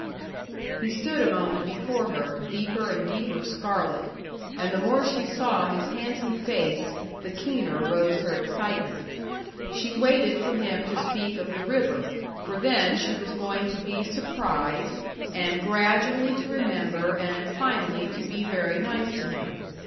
He stood a moment before her, deeper and deeper scarlet; and the more she saw his handsome face, the keener rose her excitement. She waited for him to speak of the river; for then she was going to be surprised, and gradually to remember, and finally to be very nice to him.